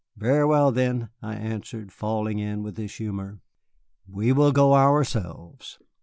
"Very well, then," I answered, falling in with his humor, "we will go ourselves."